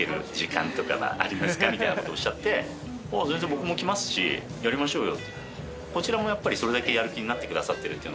僕も来ますしやりましょうよ。